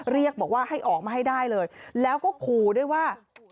เรียกบอกว่าให้ออกมาให้ได้เลยแล้วก็ขู่ด้วยว่า